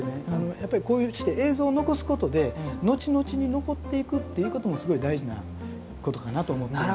やっぱりこうして映像を残すことで後々に残っていくっていうこともすごい大事なことかなと思っているので。